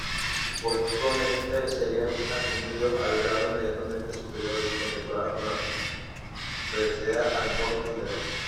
Póstumamente, serían ascendidos al grado inmediatamente superior y condecorados con la presea "Abdón Calderón".